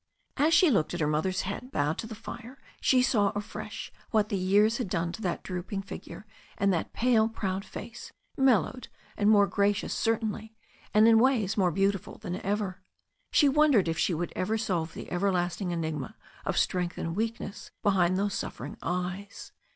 As she looked at her mother's head bowed to the fire, she saw afresh what the years had done to that droop ing figure and that pale, proud face, mellowed and more gracious certainly, and in ways more beautiful than ever. She wondered if she would ever solve the everlasting enigma of strength and weakness behind those suffering eyes.